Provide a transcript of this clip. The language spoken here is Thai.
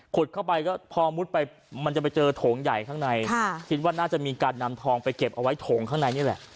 เข้าไปก็พอมุดไปมันจะไปเจอโถงใหญ่ข้างในคิดว่าน่าจะมีการนำทองไปเก็บเอาไว้โถงข้างในนี่แหละ